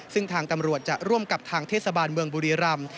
ซึ่งทางตำรวจจะร่วมกับทางเทศบาลเมืองบุรีรำ